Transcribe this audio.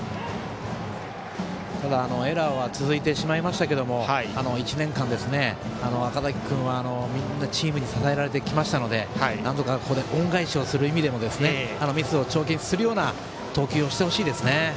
ただエラーは続いてしまいましたけど１年間、赤嵜君はチームに支えられてきたので恩返しするためにもミスを帳消しにするような投球をしてほしいですね。